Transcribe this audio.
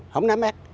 không nắm bét